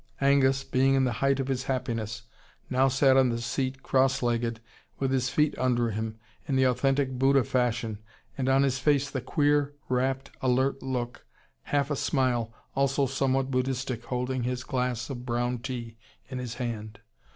Angus, being in the height of his happiness, now sat on the seat cross legged, with his feet under him, in the authentic Buddha fashion, and on his face the queer rapt alert look, half a smile, also somewhat Buddhistic, holding his glass of brown tea in his hand.